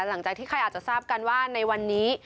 หลังจากที่ใครอาจจะทราบกันว่าในวันนี้